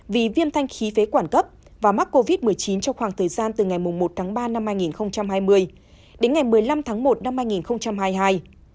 vì viêm thanh khí phế quản cấp và mắc covid một mươi chín trong khoảng thời gian từ ngày một ba hai nghìn hai mươi đến ngày một mươi năm một hai nghìn hai mươi hai